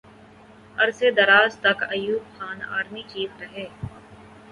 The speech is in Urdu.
عرصہ دراز تک ایوب خان آرمی چیف رہے۔